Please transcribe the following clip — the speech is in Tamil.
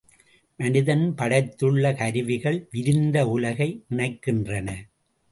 மனிதன் படைத்துள்ள கருவிகள், விரிந்த உலகை இணைக்கின்றன.